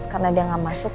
karena dia nggak masuk